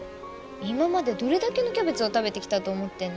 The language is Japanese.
今までどれだけのキャベツを食べてきたと思ってんの？